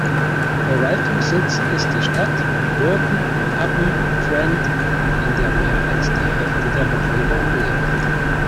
Verwaltungssitz ist die Stadt Burton-upon-Trent, in der mehr als die Hälfte der Bevölkerung lebt.